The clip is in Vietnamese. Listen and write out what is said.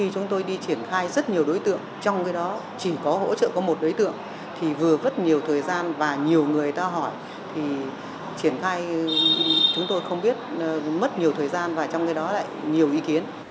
chúng tôi đi triển khai rất nhiều đối tượng trong đó chỉ có hỗ trợ có một đối tượng thì vừa vất nhiều thời gian và nhiều người ta hỏi thì triển khai chúng tôi không biết mất nhiều thời gian và trong cái đó lại nhiều ý kiến